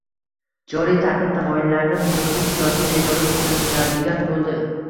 joriy tartib-tamoyillarni buzuvchi «siyosiy bezori» tushuniladigan bo‘ldi.